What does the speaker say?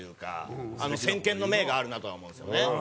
先見の明があるなとは思うんですよね。